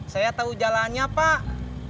saya tahu jalannya pak